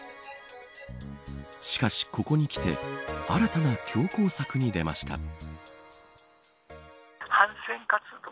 しかし、ここにきて新たな強行策に出ました。